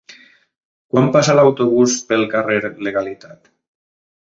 Quan passa l'autobús pel carrer Legalitat?